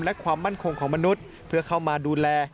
และความมั่นคงของมนุษย์เพื่อเข้ามาดูแล